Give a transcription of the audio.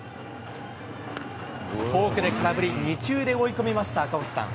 フォークで空振り、２球で追い込みました、赤星さん。